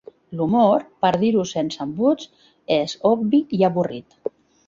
L'humor, per dir-ho sense embuts, és obvi i avorrit...